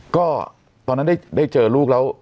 ก็ตอนนั้นได้เจอลูกแล้ว